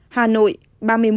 hà nội ba mươi một